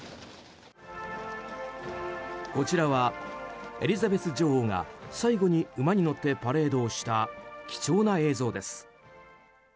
こちらはエリザベス女王が最後に馬に乗ってパレードをした貴重な映像です。